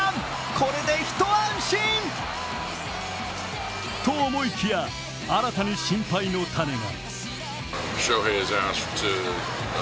これで一安心と思いきや、新たに心配の種が。